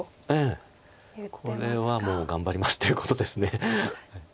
これはもう頑張りますっていうことです。